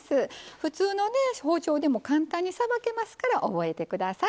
普通のね包丁でも簡単にさばけますから覚えて下さい。